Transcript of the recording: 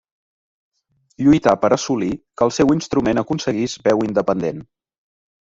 Lluità per assolir que el seu instrument aconseguís veu independent.